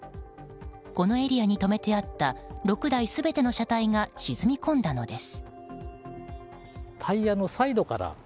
このエリアに止めてあった６台全ての車体が沈み込んだのです。